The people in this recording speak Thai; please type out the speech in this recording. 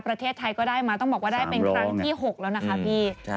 ประเทศไทยก็ได้มาต้องบอกว่าได้เป็นครั้งที่๖แล้วนะคะพี่